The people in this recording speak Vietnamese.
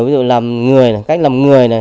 ví dụ làm người cách làm người này